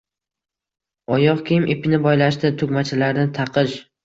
oyoq kiyim ipini boylashda, tugmachalarni taqish